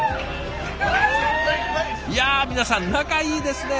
いや皆さん仲いいですね。